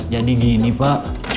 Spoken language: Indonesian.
jadi gini pak